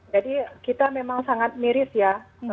jadi kita memang sangat miris ya